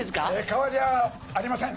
変わりはありません！